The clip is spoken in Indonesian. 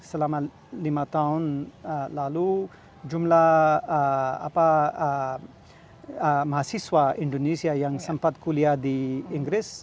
selama lima tahun lalu jumlah mahasiswa indonesia yang sempat kuliah di inggris